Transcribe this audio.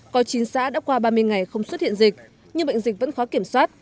có chín xã đã qua ba mươi ngày không xuất hiện dịch nhưng bệnh dịch vẫn khó kiểm soát